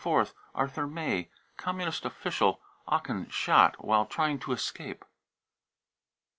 ne 24th. Arthur may, Communist official, Aachen, shot " while trying to escape."